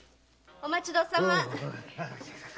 お待ちどうさま。